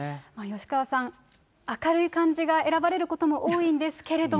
吉川さん、明るい漢字が選ばれることも多いんですけれども。